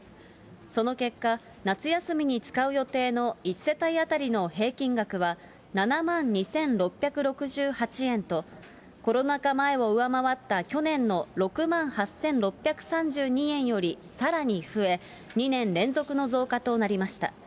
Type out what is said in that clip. その結果、夏休みに使う予定の１世帯当たりの平均額は７万２６６８円と、コロナ禍前を上回った去年の６万８６３２円よりさらに増え、２年連続の増加となりました。